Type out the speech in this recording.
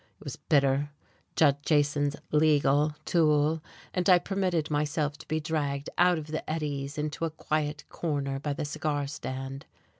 It was Bitter, Judd Jason's "legal" tool, and I permitted myself to be dragged out of the eddies into a quiet corner by the cigar stand.